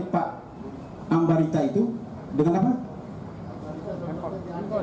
pak ambarita itu dengan apa